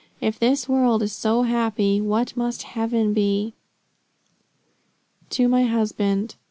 If this world is so happy, what must heaven be?" TO MY HUSBAND.